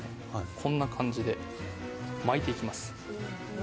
こんな感じで巻いていきます